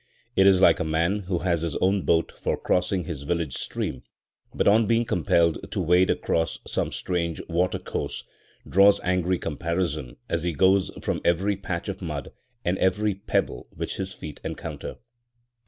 It is like a man who has his own boat for crossing his village stream, but, on being compelled to wade across some strange watercourse, draws angry comparisons as he goes from every patch of mud and every pebble which his feet encounter.